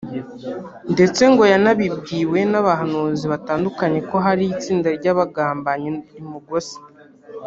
ndetse ngo yanabibwiwe n’abahanuzi batandukanye ko hari itsinda ry’abagambanyi rimugose